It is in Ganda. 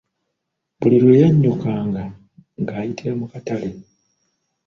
Buli lwe yannyukanga nga ayitira mu katale.